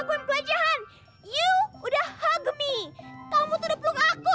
kamu tuh udah peluk aku